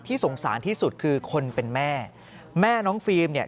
สงสารที่สุดคือคนเป็นแม่แม่น้องฟิล์มเนี่ย